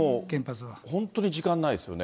本当に時間ないですよね。